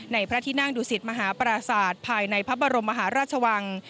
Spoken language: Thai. พระที่นั่งดุสิตมหาปราศาสตร์ภายในพระบรมมหาราชวัง